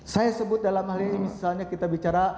saya sebut dalam hal ini misalnya kita bicara